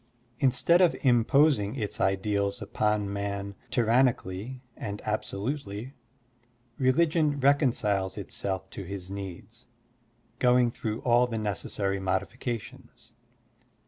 Instead of imposing its ideals upon man tyran nically and absolutely, religion reconciles itself to his needs, going through all the necessary modifications.